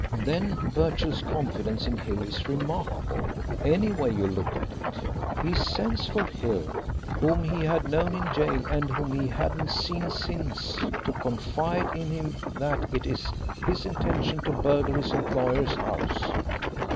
"Then Birchill's confidence in Hill is remarkable, any way you look at it. He sends for Hill, whom he had known in gaol, and whom he hadn't seen since, to confide in him that it is his intention to burgle his employer's house.